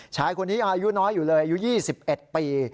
ชายคนนี้ยังอายุน้อยอยู่เลยอายุ๒๑ปี